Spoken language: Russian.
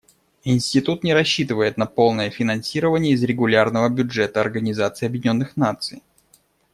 Институт не рассчитывает на полное финансирование из регулярного бюджета Организации Объединенных Наций.